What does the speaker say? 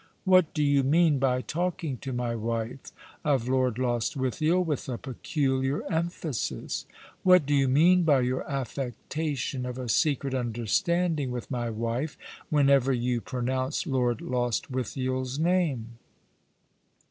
What do you mean by talking to my wife of Lord Lostwithiel with a peculiar emphasis ? What do you mean by your affectation of a secret understanding with my wife whenever you pronounce Lord Lostwithiers name